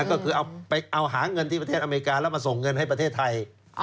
ก็คือเอาหาเงินที่ประเทศอเมริกาแล้วมาส่งเงินให้ประเทศไทย